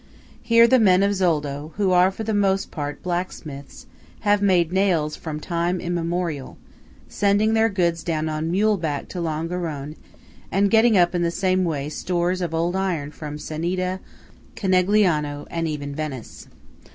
Here the men of Zoldo, who are for the most part blacksmiths, have made nails from time immemorial, sending their goods down on mule back to Longarone, and getting up in the same way stores of old iron from Ceneda, Conegliano, and even Venice.